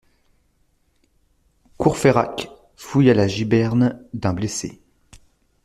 Courfeyrac fouilla la giberne d'un blessé.